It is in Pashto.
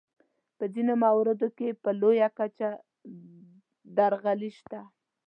په ځینو مواردو کې په لویه کچه درغلۍ شته.